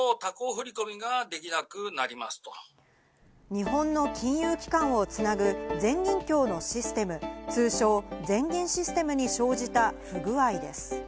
日本の金融機関をつなぐ全銀協のシステム、通称・全銀システムに生じた不具合です。